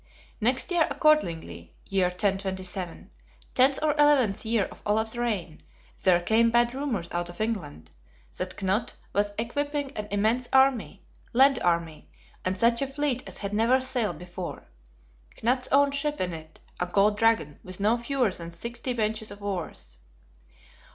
Next year accordingly (year 1027), tenth or eleventh year of Olaf's reign, there came bad rumors out of England: That Knut was equipping an immense army, land army, and such a fleet as had never sailed before; Knut's own ship in it, a Gold Dragon with no fewer than sixty benches of oars.